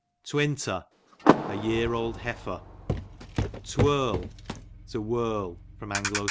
Twinter, a year old hefer. Twirl, to whirl. A. S.